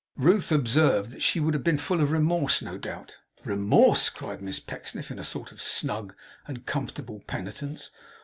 Ruth observed that she would have been full of remorse, no doubt. 'Remorse!' cried Miss Pecksniff, in a sort of snug and comfortable penitence.